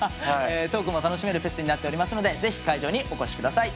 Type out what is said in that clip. トークも楽しめるフェスになっておりますのでぜひ会場にお越しください。